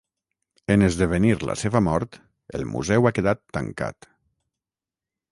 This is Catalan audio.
En esdevenir la seva mort el museu ha quedat tancat.